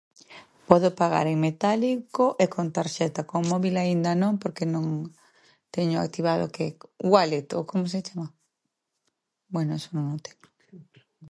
Podo pagar en metálico e con tarxeta, con móbil aínda non porque non teño activado o, que é? wallet? ou como se chama? Bueno, eso non o teño.